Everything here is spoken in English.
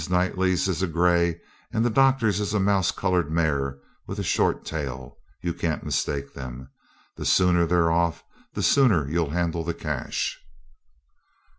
Knightley's is a gray, and the doctor's is a mouse coloured mare with a short tail; you can't mistake them. The sooner they're off the sooner you'll handle the cash.'